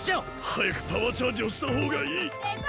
はやくパワーチャージをしたほうがいい！